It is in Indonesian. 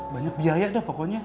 banyak biaya dah pokoknya